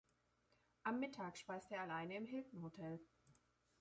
Am Mittag speist er allein im Hilton-Hotel.